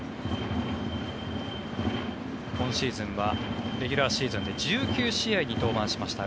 今シーズンはレギュラーシーズンで１９試合に登板しました。